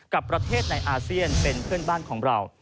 กับประเทศในอาเซียนเป็นเพื่อนบ้านของเรา